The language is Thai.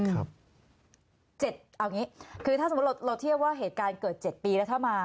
เอาอย่างนี้คือถ้าสมมุติเราเทียบว่าเหตุการณ์เกิด๗ปีแล้วถ้ามา